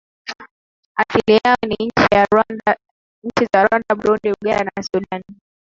asili yao ni nchi za Rwanda Burundi Uganda na Sudan